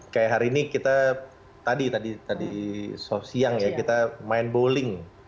kayak hari ini kita tadi tadi siang ya kita main bowling